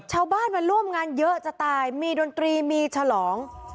ชาวบ้านมาร่วมงานเยอะจะตายมีดนตรีมีฉลอง